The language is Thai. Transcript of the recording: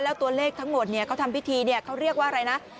แล้วตัวเลขทั้งหมดเขาทำพิธีเขาเรียกว่าอะไรนะ